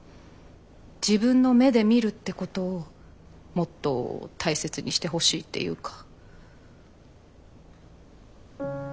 自分の目で見るってことをもっと大切にしてほしいっていうか。